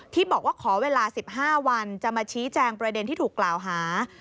ที่บอกว่าขอเวลา๑๕วันจะมาชี้แจงประเด็นที่ถูกกล่าวหา